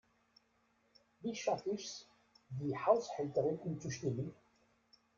Wie schaffe ich es, die Haushälterin umzustimmen?